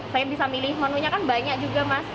saya bisa milih menunya kan banyak juga mas